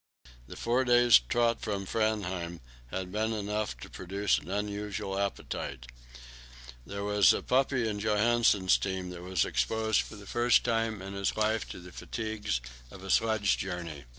The four days' trot from Framheim had been enough to produce an unusual appetite. There was a puppy in Johansen's team that was exposed for the first time in his life to the fatigues of a sledge journey.